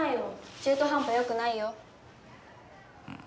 中途半端よくないよ。